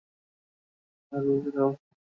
সিটকা, দ্রুত আমায় আগের রুপে ফেরাও।